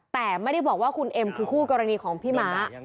แต่ไม่ได้บอกว่าคุณเอ็มคือคู่กรณีของพี่ม้า